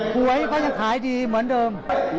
หวยก็ยังขายดีเหมือนเดิม